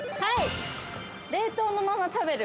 ◆冷凍のまま食べる。